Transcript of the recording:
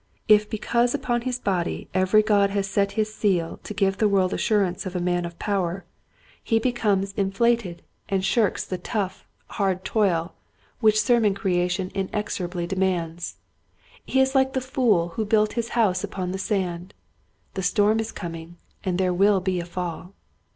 If because upon his body every god has set his seal to give the world assurance of a man of power, he becomes Vanity, 131 inflated and shirks the tough, hard toil which sermon creation inexorably demands, he is like the fool who built his house upon the sand. The storm is coming and there will be a fall.